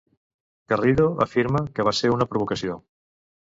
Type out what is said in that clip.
Garrido afirma que va ser una provocació.